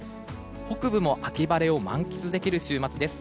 北部も秋晴れを満喫できる週末です。